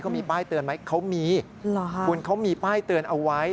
เขามีป้ายเตือนไหมเขามีคุณเขามีป้ายเตือนเอาไว้